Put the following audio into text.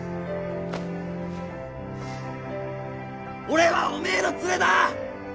俺はおめえのツレだ！